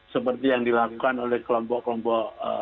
seperti yang dilakukan oleh kelompok kelompok